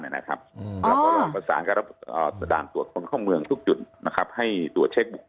เราก็ลองประสานกับด่านตรวจคนเข้าเมืองทุกจุดให้ตรวจเช็ค